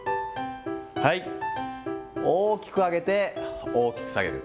はい、大きく上げて、大きく下げる。